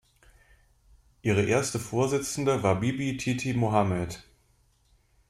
Ihre erste Vorsitzende war Bibi Titi Mohammed.